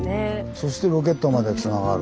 そしてロケットまでつながる。